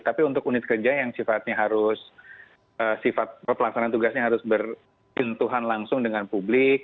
tapi untuk unit kerja yang sifatnya harus sifat pelaksana tugasnya harus bertintuhan langsung dengan publik